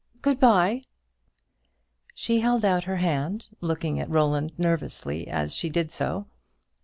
Good bye." She held out her hand, looking at Roland nervously as she did so.